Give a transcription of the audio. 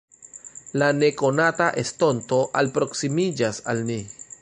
La nekonata estonto alproksimiĝas nin.